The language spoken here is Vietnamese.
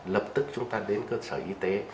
lập tức chúng ta đến cơ sở y tế